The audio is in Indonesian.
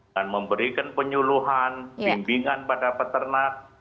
dan memberikan penyuluhan bimbingan pada peternak